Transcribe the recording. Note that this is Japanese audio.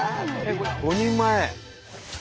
５人前！